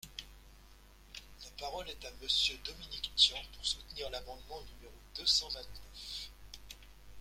La parole est à Monsieur Dominique Tian, pour soutenir l’amendement numéro deux cent vingt-neuf.